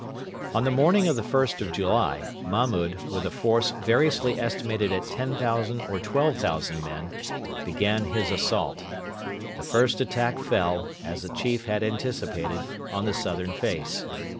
On the morning of the 1st of July, Mahmud, with a force variously estimated at 10,000 or 12,000 men, began his assault. The first attack fell, as the chief had anticipated, on the southern face.